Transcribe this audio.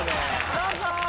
どうぞ。